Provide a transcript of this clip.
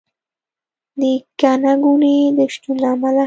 د ګڼه ګوڼې د شتون له امله